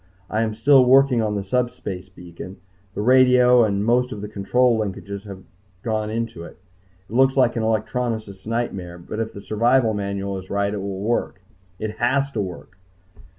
I am still working on the subspace beacon. The radio and most of the control linkages have gone into it. It looks like an electronicist's nightmare, but if the survival manual is right, it will work. It has to work!